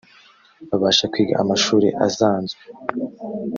babasha kwiga amashuri azanzwe